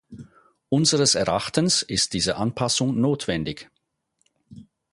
Unseres Erachtens ist diese Anpassung notwendig.